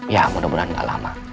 ya mudah mudahan nggak lama